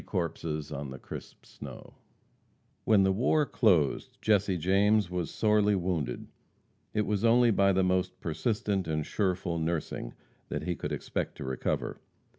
JESSE'S SORTIE AGAINST THE MILITIAMEN. When the war closed, Jesse James was sorely wounded. It was only by the most persistent and sureful nursing that he could expect to recover.